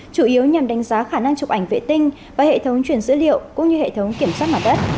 chủ yếu nhằm đánh giá khả năng chụp ảnh vệ tinh và hệ thống truyền dữ liệu cũng như hệ thống kiểm soát mặt đất